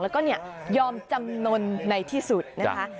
แล้วก็ยอมจำนวนในที่สุดนะคะ